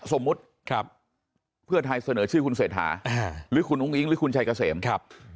สมมุติเพื่อไทยเสนอชื่อคุณเศรษฐาหรือคุณอุ้งอิ๊งหรือคุณชัยเกษมครับ